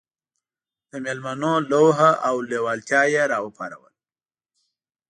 د مېلمنو لوهه او لېوالتیا یې راپاروله.